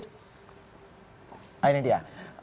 nah ini dia